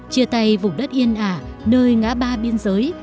chia tay vùng đất yên ả nơi ngã ba biên giới